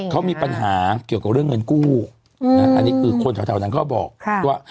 เขามีปัญหาเกี่ยวกับเรื่องเงินกู้อืมอันนี้คือคนท้ายเท่าทำเขาก็บอกค่ะ